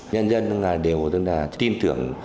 nhân dân tức là đều tức là tin tưởng